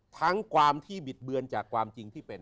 ทั้งความที่บิดเบือนจากความจริงที่เป็น